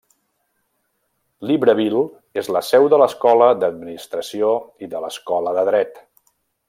Libreville és la seu de l'Escola d'Administració i de l'Escola de Dret.